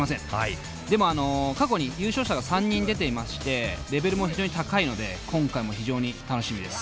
でも過去に優勝者が３人出ていましてレベルも非常に高いので今回も非常に楽しみです。